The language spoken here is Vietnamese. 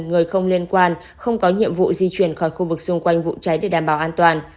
người không liên quan không có nhiệm vụ di chuyển khỏi khu vực xung quanh vụ cháy để đảm bảo an toàn